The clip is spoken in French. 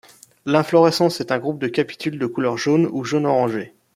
L'inflorescence est un groupe de capitules de couleur jaune ou jaune-orangé.